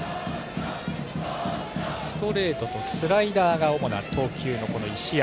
ストレートとスライダーが主な投球の石山。